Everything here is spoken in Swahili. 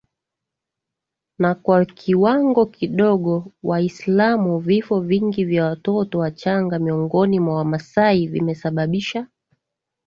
na kwa kiwango kidogo WaislamuVifo vingi vya watoto wachanga miongoni mwa Wamasai vimesababisha